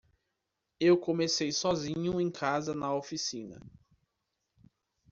Eu comecei sozinho em casa na oficina.